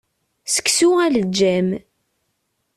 Seksu aleǧǧam.